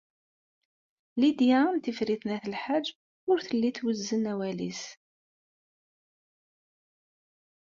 Lidya n Tifrit n At Lḥaǧ ur telli twezzen awal-nnes.